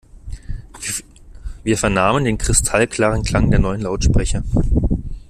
Wir vernahmen den kristallklaren Klang der neuen Lautsprecher.